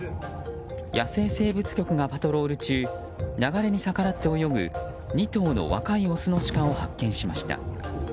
野生生物局がパトロール中流れに逆らって泳ぐ２頭の若いオスのシカを発見しました。